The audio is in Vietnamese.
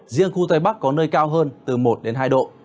riêng khu tây bắc có nơi cao hơn từ một đến hai độ